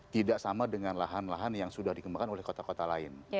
tidak sama dengan lahan lahan yang sudah dikembangkan oleh kota kota lain